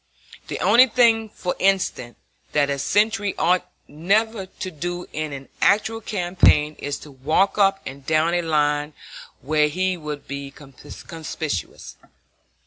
The one thing, for instance, that a sentry ought never to do in an actual campaign is to walk up and down a line where he will be conspicuous.